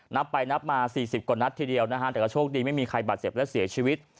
นับไปนับมา๔๐กว่านัดทีเดียวนะฮะแต่ก็โชคดีไม่มีใครบาดเจ็บและเสียชีวิต